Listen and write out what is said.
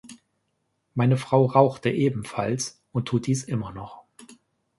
Meine Frau rauchte ebenfalls und tut dies immer noch.